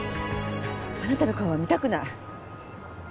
あなたの顔は見たくない。